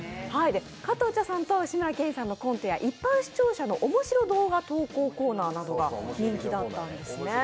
加藤茶さんと志村けんさんのコントが一般視聴者の面白動画投稿コーナーが人気だったんですね。